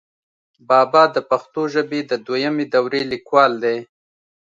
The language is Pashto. بابا دَپښتو ژبې دَدويمي دورې ليکوال دی،